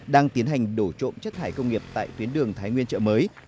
đang tiến hành đổ trộm chất thải công nghiệp tại tuyến đường thái nguyên chợ mới